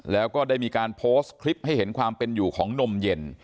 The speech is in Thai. แล้วก็ได้มีการโพสต์คลิปให้เห็นความเป็นอยู่ของนมเย็น